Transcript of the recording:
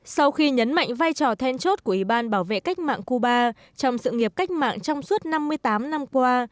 sau khi nhấn mạnh vai trò then chốt của ủy ban bảo vệ cách mạng cuba trong sự nghiệp cách mạng trong suốt năm mươi tám năm qua